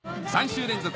３週連続